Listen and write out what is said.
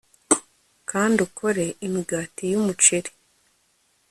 Kandi ukore imigati yumuceri